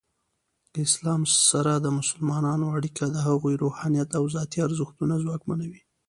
د اسلام سره د مسلمانانو اړیکه د هغوی روحانیت او ذاتی ارزښتونه ځواکمنوي.